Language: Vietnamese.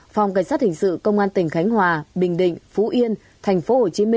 phòng cảnh sát hình sự công an tỉnh khánh hòa bình định phú yên tp hcm